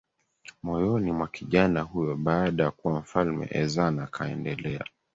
moyoni mwa kijana huyo Baada ya kuwa mfalme Ezana akaendelea